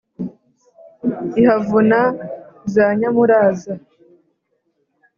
Ihavuna za nyamuraza*.